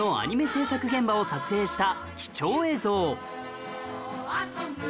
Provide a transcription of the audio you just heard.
制作現場を撮影した貴重映像